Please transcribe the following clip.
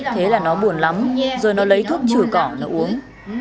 thế là nó buồn lắm rồi nó lấy thuốc trừ cỏ nó uống